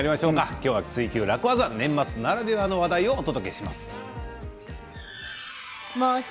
今日は「ツイＱ楽ワザ」年末ならではの話題をお届けします。